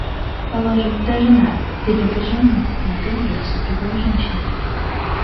Положим, ты женат, ты любишь жену, но ты увлекся другою женщиной...